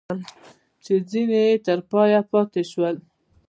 ځیني تر پایه پاته شول.